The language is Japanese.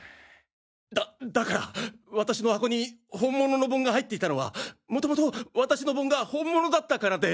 だだから私の箱に本物の盆が入っていたのは元々私の盆が本物だったからで。